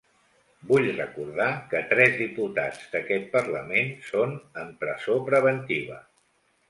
Vull recordar que tres diputats d’aquest parlament són en presó preventiva.